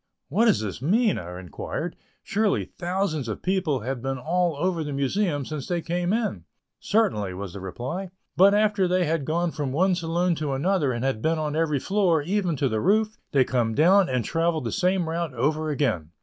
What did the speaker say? "What does this mean?" I inquired; "surely thousands of people have been all over the Museum since they came in." "Certainly," was the reply "but after they have gone from one saloon to another and have been on every floor, even to the roof, they come down and travel the same route over again."